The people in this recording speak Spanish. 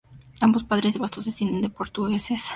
Ambos padres de Bastos, descienden de portugueses.